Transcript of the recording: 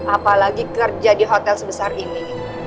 apalagi kerja di hotel sebesar ini